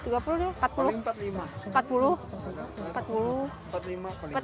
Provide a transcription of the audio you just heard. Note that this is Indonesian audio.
dua puluh gak dapat